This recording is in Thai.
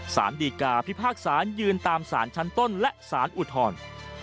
สารดีกาพิพากษายืนตามสารชั้นต้นและสารอุทธร